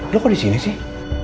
loh kok disini sih